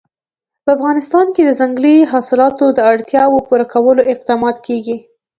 په افغانستان کې د ځنګلي حاصلاتو د اړتیاوو پوره کولو اقدامات کېږي.